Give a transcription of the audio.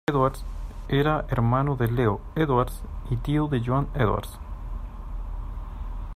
Edwards era hermano de Leo Edwards y tío de Joan Edwards.